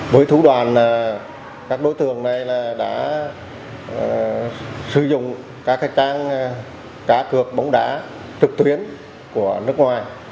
với thủ đoàn các đối tượng này đã sử dụng các trang cá cược bóng đá trực tuyến của nước ngoài